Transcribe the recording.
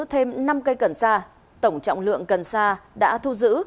thêm năm cây cần sa tổng trọng lượng cần sa đã thu giữ